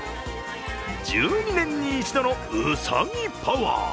１２年に一度のうさぎパワー。